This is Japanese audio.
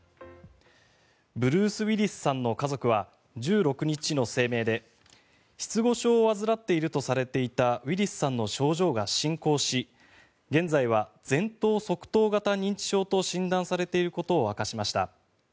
ブルース・ウィリスさんの家族は１６日の声明で失語症を患っているとされていたウィリスさんの症状が進行し現在は前頭側頭型認知症と診断されていることを明かしました。